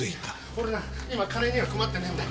俺な今金には困ってねえんだ。